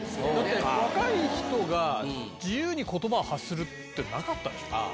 若い人が自由にことばを発するってなかったでしょ。